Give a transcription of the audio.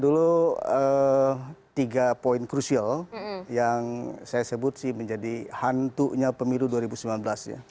dulu tiga poin krusial yang saya sebut sih menjadi hantunya pemilu dua ribu sembilan belas ya